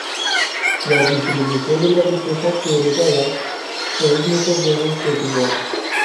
La distribución de la riqueza heredada es muchas veces desigual.